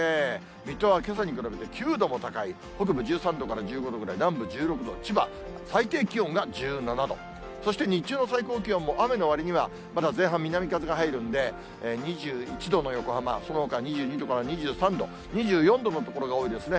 水戸はけさに比べて９度も高い、北部１３度から１５度ぐらい、南部１６度、千葉、最低気温が１７度、そして日中の最高気温も雨のわりにはまだ前半、南風が入るんで、２１度の横浜、そのほか２２度から２３度、２４度の所が多いですね。